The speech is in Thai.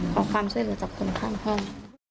ขอความช่วยเหลือจากคนข้างห้อง